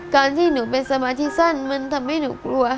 การที่หนูเป็นสมาธิสั้นมันทำให้หนูกลัว